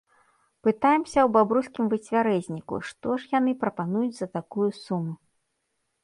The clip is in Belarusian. Пытаемся ў бабруйскім выцвярэзніку, што ж яны прапануюць за такую суму.